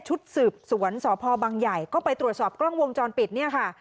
ชุดสืบสวนสพบังใหญ่ก็ไปตรวจสอบกล้องวงจรปิดเนี่ยค่ะ